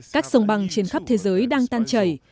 các sông băng trên khắp thế giới đang tan chảy